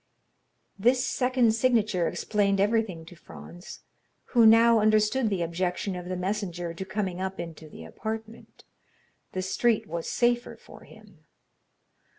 This second signature explained everything to Franz, who now understood the objection of the messenger to coming up into the apartment; the street was safer for him.